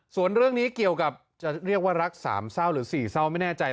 ส่วนเรื่องนี้เกี่ยวกับจะเรียกว่ารักสามเศร้าหรือสี่เศร้าไม่แน่ใจ